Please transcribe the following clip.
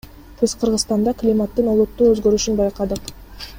Биз Кыргызстанда климаттын олуттуу өзгөрүшүн байкадык.